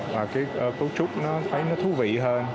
và cái cấu trúc nó thấy nó thú vị hơn